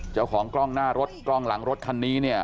เจ้าของกล้องหน้ารถกล้องหลังรถคันนี้เนี่ย